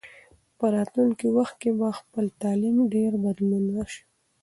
په راتلونکي وخت کې به په تعلیم کې ډېر بدلون راسي.